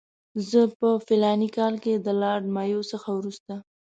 زه په فلاني کال کې د لارډ مایو څخه وروسته.